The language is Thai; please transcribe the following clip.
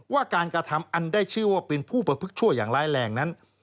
ว่าการกระทำอันได้ชื่อว่าเป็นผู้ประพฤกษั่วอย่างร้ายแรงนั้น